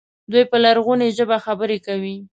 دوی په لرغونې ژبه خبرې کوي.